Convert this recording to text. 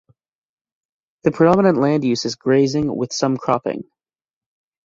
The predominant land use is grazing with some cropping.